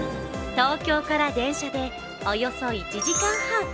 東京から電車でおよそ１時間半。